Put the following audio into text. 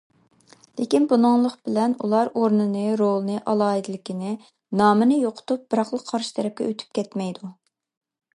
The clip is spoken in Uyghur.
لېكىن بۇنىڭلىق بىلەن ئۇلار ئورنىنى، رولىنى، ئالاھىدىلىكىنى، نامىنى يوقىتىپ، بىراقلا قارشى تەرەپكە ئۆتۈپ كەتمەيدۇ.